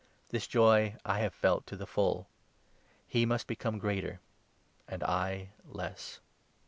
This joy I have felt to the full. He must become greater, and 30 I less."